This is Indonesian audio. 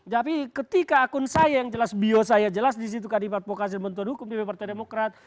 tapi ketika akun saya yang jelas bio saya jelas di situ kadifat pokasir benton hukum di partai demokrat